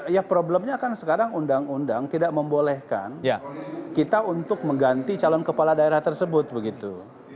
ya problemnya kan sekarang undang undang tidak membolehkan kita untuk mengganti calon kepala daerah tersebut begitu